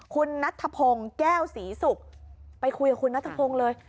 คุณนัทธพงศ์แก้วศรีศุกร์ไปคุยกับคุณนัทพงศ์เลย